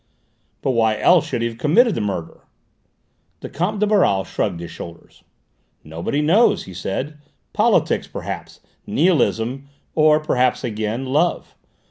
"But why else should he have committed the murder?" The Comte de Baral shrugged his shoulders. "Nobody knows," he said: "politics, perhaps, nihilism, or perhaps again love.